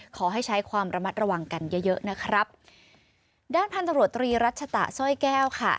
ขอให้ใช้ความระมัดระวังกันเยอะเยอะนะครับด้านพันธบรวตรีรัชตะสร้อยแก้วค่ะ